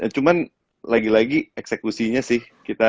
cuman lagi lagi eksekusinya sih